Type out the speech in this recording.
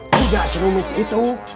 tidak cermin itu